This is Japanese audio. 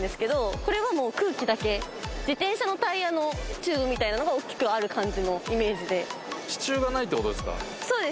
これはもう空気だけ自転車のタイヤのチューブみたいなのが大きくある感じのイメージでそうです